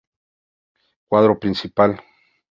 Cuadro principal